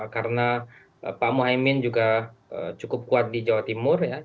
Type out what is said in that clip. karena pak mohaimin juga cukup kuat di jawa timur ya